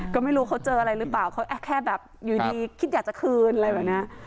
ก็ไม่รู้เขาเจออะไรหรือเปล่าเขาแค่แบบอยู่ดีคิดอยากจะคืนอะไรแบบนี้